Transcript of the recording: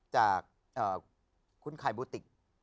จากคุณไข่โบติก